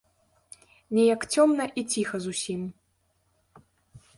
Неяк цёмна і ціха зусім.